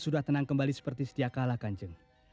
sudah tenang kembali seperti setiap kalah kan jeng